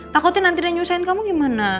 takutin nanti dia nyusahin kamu gimana